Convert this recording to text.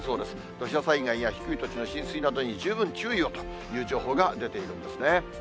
土砂災害や低い土地の浸水などに十分注意をという情報が出ているんですね。